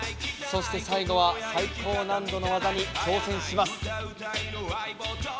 そして最後は最高難度の技に挑戦します。